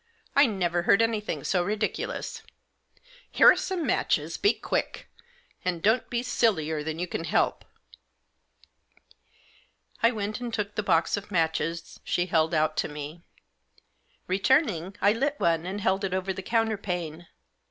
I never heard anything so ridiculous. Here are some matches. Be quick ; and don't be sillier than you can help." I went and took the box of matches she held out to me. Returning, I lit one and held it over the counter pane.